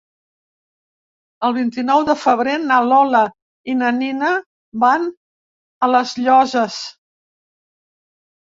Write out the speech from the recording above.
El vint-i-nou de febrer na Lola i na Nina van a les Llosses.